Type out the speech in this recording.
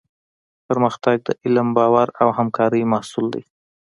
پرمختګ د علم، باور او همکارۍ محصول دی.